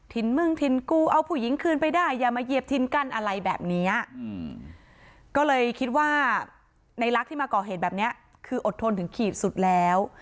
มึงถิ่นกูเอาผู้หญิงคืนไปได้อย่ามาเหยียบถิ่นกันอะไรแบบนี้ก็เลยคิดว่าในลักษณ์ที่มาก่อเหตุแบบนี้คืออดทนถึงขีดสุดแล้ว